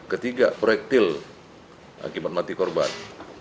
ketiga proyektil akibat mati korban